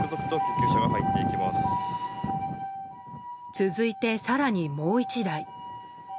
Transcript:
続いて、更にもう１台。